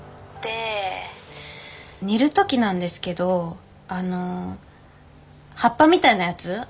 で煮る時なんですけどあの葉っぱみたいなやつ？